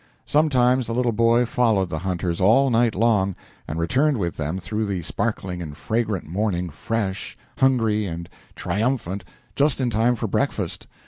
Sometimes the little boy followed the hunters all night long, and returned with them through the sparkling and fragrant morning, fresh, hungry, and triumphant, just in time for breakfast.